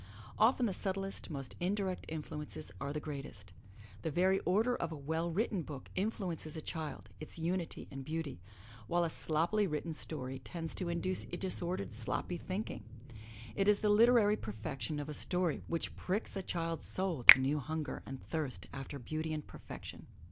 Often the subtlest, most indirect influences are the greatest. The 209 MY BOOK HOUSE very order of a well written book influences a child, its unity and beauty, while a sloppily written story tends to induce disordered sloppy thinking. It is the literary perfection of a story which pricks a child's soul to new hunger and thirst after beauty and perfection.